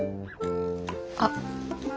あっ。